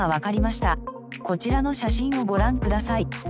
こちらの写真をご覧ください。